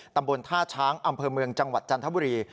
ตำบลท่าช้างอำเภอเมืองจังหวัดจันทบุรี